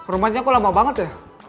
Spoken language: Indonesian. rumahnya kok lama banget ya